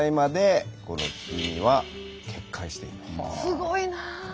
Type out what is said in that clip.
すごいなぁ！